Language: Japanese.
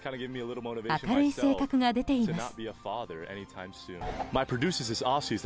明るい性格が出ています。